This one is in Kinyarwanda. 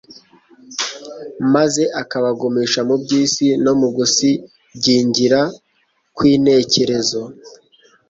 maze akabagumisha mu by'isi no mu gusigingira kw'intekerezo.